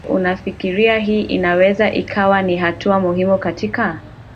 je unafikiri hii inaweza ikawa ni hatua muhimu katika